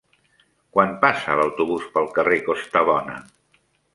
Quan passa l'autobús pel carrer Costabona?